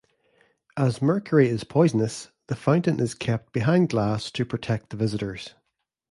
As mercury is poisonous, the fountain is kept behind glass to protect the visitors.